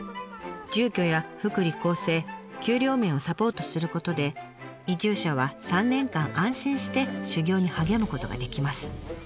住居や福利厚生給料面をサポートすることで移住者は３年間安心して修業に励むことができます。